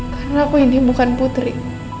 karena aku ini bukan putri